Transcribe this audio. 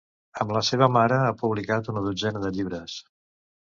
Amb la seva mare ha publicat una dotzena de llibres.